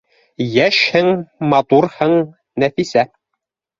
— Йәшһең, матурһың, Нәфисә